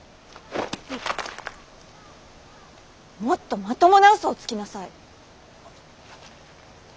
もっとまともな嘘をつきなさい！